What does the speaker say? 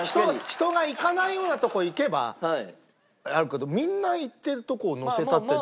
人が行かないようなとこに行けばわかるけどみんな行ってるとこを載せたって。